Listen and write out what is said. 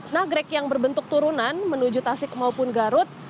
nagrek yang berbentuk turunan menuju tasik maupun garut